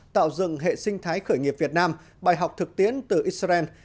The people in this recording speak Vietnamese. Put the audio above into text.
tạo dựng hệ sinh thái khởi nghiệp việt nam bài học thực tiễn từ israel